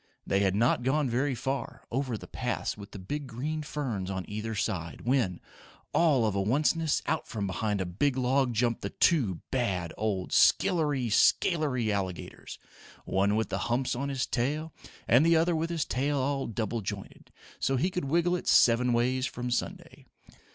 They had not gone very far, over the paths with the big green ferns on either side, when, all of a onceness out from behind a big log jumped the two bad old skillery scalery alligators, one with the humps on his tail and the other with his tail all double jointed, so he could wiggle it seven ways from Sunday.